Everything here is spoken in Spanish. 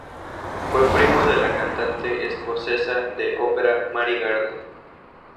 Fue primo de la cantante escocesa de ópera Mary Garden.